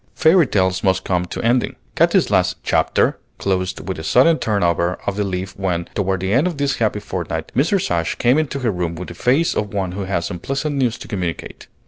Fairy tales must come to ending. Katy's last chapter closed with a sudden turn over of the leaf when, toward the end of this happy fortnight, Mrs. Ashe came into her room with the face of one who has unpleasant news to communicate.